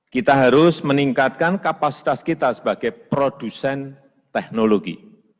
kita harus meningkatkan kapasitas kita sebagai produsen teknologi